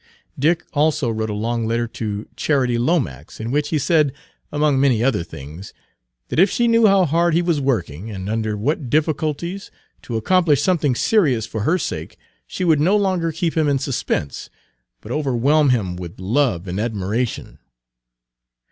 Dick also wrote a long letter to Charity Lomax, in which he said, among many other things, that if she knew how hard he was working, and under what difficulties, to accomplish something serious for her sake, she would no longer keep him in suspense, but overwhelm him with love and admiration.